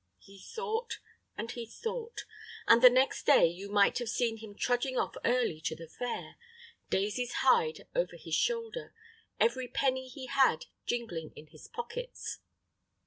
He thought and he thought, and the next day you might have seen him trudging off early to the fair, Daisy's hide over his shoulder, every penny he had jingling in his pockets.